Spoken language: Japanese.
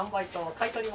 買い取りも。